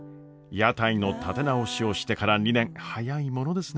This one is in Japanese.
屋台の立て直しをしてから２年早いものですね。